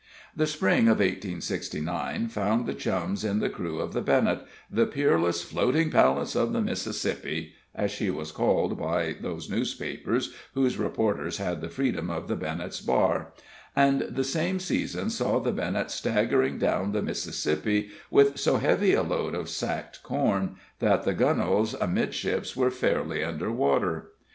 The Spring of 1869 found the Chums in the crew of the Bennett, "the peerless floating palace of the Mississippi," as she was called by those newspapers whose reporters had the freedom of the Bennett's bar; and the same season saw the Bennett staggering down the Mississippi with so heavy a load of sacked corn, that the gunwales amidships were fairly under water.